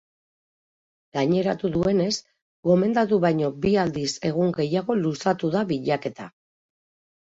Gaineratu duenez, gomendatu baino bi aldiz egun gehiago luzatu da bilaketa.